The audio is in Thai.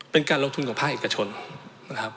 เป็นการลงทุนของภาคเอกชนนะครับ